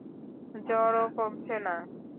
জ্বরও কমছে না।